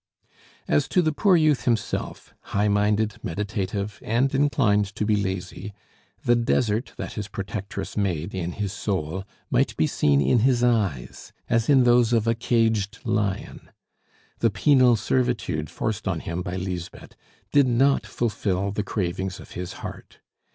As to the poor youth himself, high minded, meditative, and inclined to be lazy, the desert that his protectress made in his soul might be seen in his eyes, as in those of a caged lion. The penal servitude forced on him by Lisbeth did not fulfil the cravings of his heart.